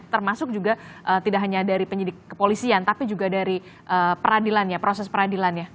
termasuk juga tidak hanya dari penyidik kepolisian tapi juga dari peradilannya proses peradilannya